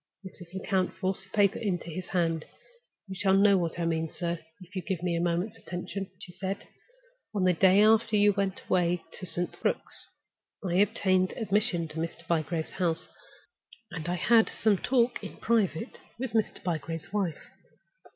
Mrs. Lecount forced the paper into his hand. "You shall know what I mean, sir, if you will give me a moment's attention," she said. "On the day after you went away to St. Crux, I obtained admission to Mr. Bygrave's house, and I had some talk in private with Mr. Bygrave's wife.